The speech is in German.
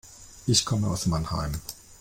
Ich komme aus Mannheim